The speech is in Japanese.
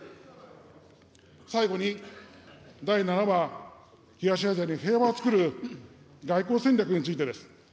最後に第７は、東アジアに平和をつくる外交戦略についてです。